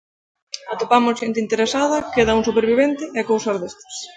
Atopamos xente interesada, queda un supervivente, e cousas destas.